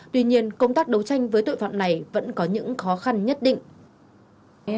tuy nhiên công tác đấu tranh với tội phạm này vẫn có những khó khăn nhất định